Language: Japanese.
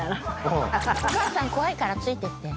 「お母さん怖いからついてきて。